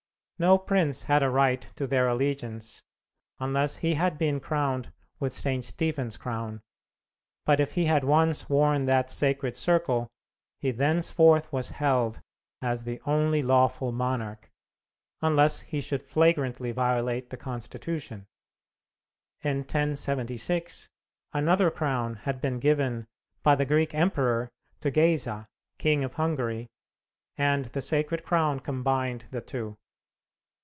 No prince had a right to their allegiance unless he had been crowned with St. Stephen's crown; but if he had once worn that sacred circle, he thenceforth was held as the only lawful monarch, unless he should flagrantly violate the Constitution. In 1076, another crown had been given by the Greek emperor to Geysa, King of Hungary, and the sacred crown combined the two.